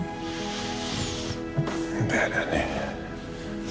gak ada nih